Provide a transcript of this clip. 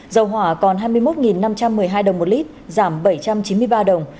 dầu hỏa còn hai mươi một năm trăm một mươi hai đồng một lít giảm bảy trăm chín mươi ba đồng